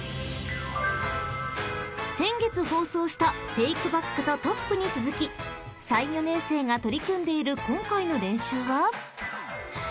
［先月放送したテイクバックとトップに続き３・４年生が取り組んでいる今回の練習は？］